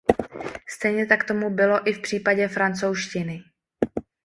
Stejně tak tomu bylo i v případě francouzštiny.